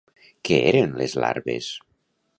Què eren les Larves?